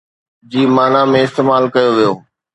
جي معنى ۾ استعمال ڪيو ويو